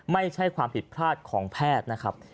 ไม่ใช่ความผิดพลาดของแพทย์นะครับ